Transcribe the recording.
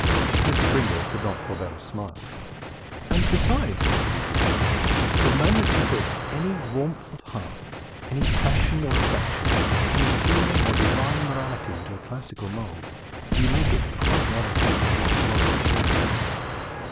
Mr. Pringle could not forbear a smile. "And besides," continued Eustace, "the moment you put any warmth of heart, any passion or affection, any human or divine morality, into a classic mould, you make it quite another thing from what it was before.